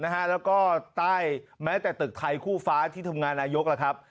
แล้วก็ใต้แม้แต่ตึกไทยคู่ฟ้าที่ทำงานนายกล่ะครับ